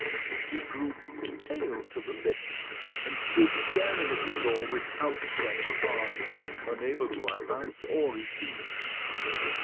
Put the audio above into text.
She grew pale to the lips, and stood staring at the door with outstretched arms, unable to advance or recede.